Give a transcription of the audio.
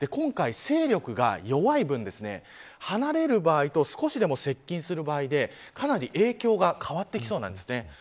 今回、勢力が弱い分離れる場合と少しでも接近する場合でかなり影響が変わってきそうなんです。